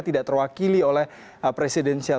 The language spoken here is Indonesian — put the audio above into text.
tidak terwakili oleh presidensial